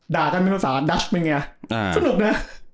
ด่ากันเป็นภาษาดับเป็นไงสนุกนะ